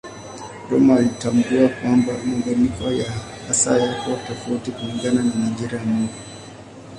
Rømer alitambua kwamba mabadiliko haya yako tofauti kulingana na majira ya mwaka.